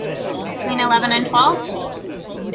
Between eleven and twelve?